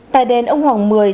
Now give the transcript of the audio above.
tài đền ông hồng mười